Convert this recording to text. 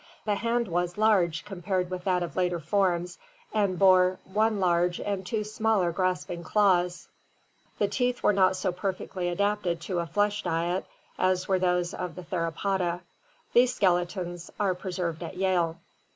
The hand was large compared with that of later forms and bore one large and two smaller grasping claws. The teeth were not so perfectly adapted i! I 5S 1=1 Ml m ill REPTILES AND DINOSAURS 509 to a flesh diet as were those of the Theropoda. These skeletons are preserved at Yale.